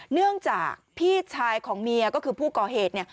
เนื่องจากพี่ชายของเมียก็คือผู้ก่อเหตุเนี่ย